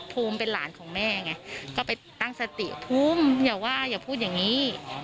ภูมิเป็นหลานของแม่ไงก็ไปตั้งสติภูมิอย่าว่าอย่าพูดอย่างนี้